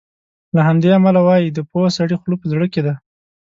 له همدې امله وایي د پوه سړي خوله په زړه کې ده.